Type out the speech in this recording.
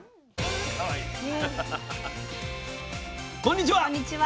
こんにちは。